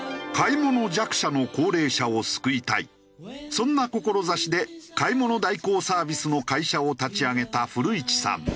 そんな志で買い物代行サービスの会社を立ち上げた古市さん。